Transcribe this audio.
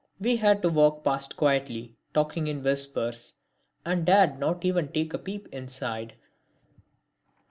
We had to walk past quietly, talking in whispers, and dared not even take a peep inside.